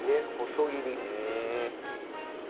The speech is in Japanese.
細切り。